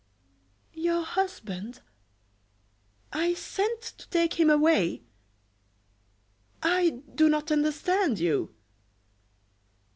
"Your husband! I sent to take him away! I do not understand you."